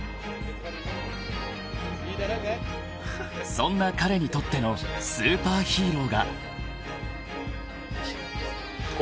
［そんな彼にとってのスーパーヒーローが］